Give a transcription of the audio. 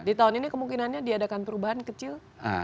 jadi ini kemungkinannya diadakan perubahan kecil